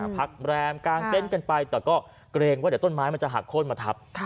แรมกลางเต็นต์กันไปแต่ก็เกรงว่าเดี๋ยวต้นไม้มันจะหักโค้นมาทับ